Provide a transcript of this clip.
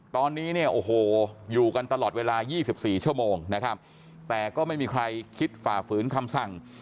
ตอนนี้เนี่ยโอ้โหอยู่กันตลอดเวลา๒๔ชั่วโมงนะครับแต่ก็ไม่มีใครคิดฝ่าฝืนคำสั่ง